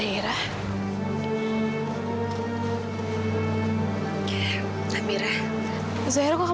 itu kah adalah